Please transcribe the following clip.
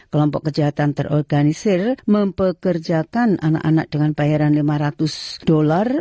kelompok kejahatan terorganisir mempekerjakan anak anak dengan bayaran lima ratus dolar